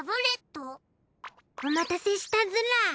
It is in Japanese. お待たせしたズラ。